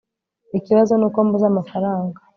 ikibazo nuko mbuze amafaranga